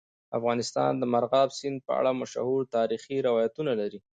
افغانستان د مورغاب سیند په اړه مشهور تاریخی روایتونه لري.